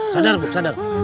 sadar buk sadar